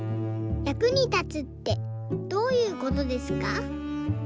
役に立つってどういうことですか？」。